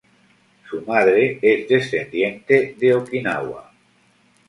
Su madre es descendiente de Okinawa.